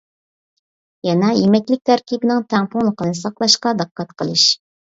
يەنە يېمەكلىك تەركىبىنىڭ تەڭپۇڭلۇقىنى ساقلاشقا دىققەت قىلىش.